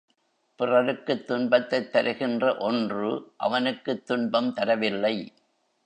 பிறருக்குத் துன்பத்தைத் தருகின்ற ஒன்று அவனுக்குத் துன்பம் தரவில்லை.